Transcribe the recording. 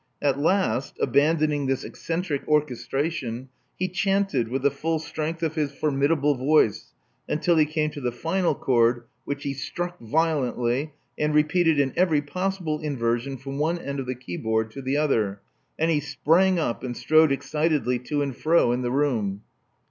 At last, abandoning this eccentric orchestra tion, he chanted with the full strength of his formi dable voice until he came to the final chord, which he struck violently, and repeated in every possible inversion from one end of the keyboard to the other. Then he sprang up, and strode excitedly to and fro in the room.